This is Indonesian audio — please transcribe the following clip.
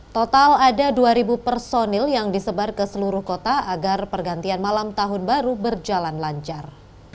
total ada dua personil yang disebar ke seluruh kota agar pergantian malam tahun baru berjalan lancar